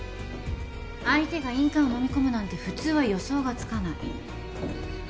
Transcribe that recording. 相手が印鑑をのみ込むなんて普通は予想がつかない。